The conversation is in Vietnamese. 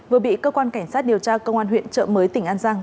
vừa bị cơ quan cảnh sát điều tra công an huyện trợ mới tỉnh an giang